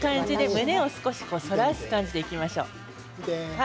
胸を少し反らす感じでいきましょう。